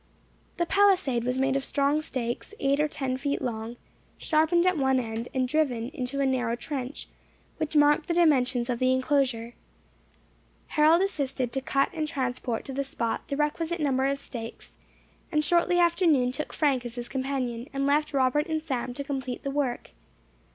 The palisade was made of strong stakes, eight or ten feet long, sharpened at one end, and driven into a narrow trench, which marked the dimensions of the enclosure. Harold assisted to cut and transport to the spot the requisite number of stakes; and shortly after noon took Frank as his companion, and left Robert and Sam to complete the work.